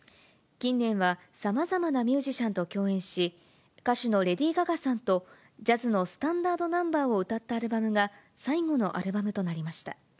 近年はさまざまなミュージシャンと共演し、歌手のレディー・ガガさんとジャズのスタンダードナンバーを歌ったアルバムが、最後のアルバムとなりました。